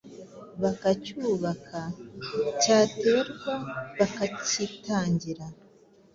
bakacyubaka, cyaterwa bakacyitangira.